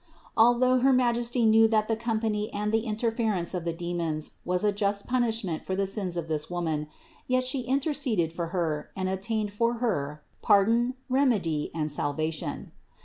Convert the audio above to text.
Although her Majesty knew that the company and the interference of the demons was a just punishment for the sins of this woman, yet She interceded for her and obtained for her pardon, remedy and salvation.